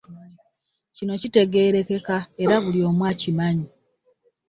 Kino kitegeerekeka era buli omu akimanyi.